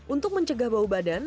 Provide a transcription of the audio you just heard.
untuk mencegah bau badan